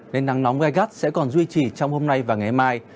nên nắng nóng gai gắt sẽ còn duy trì trong hôm nay và ngày mai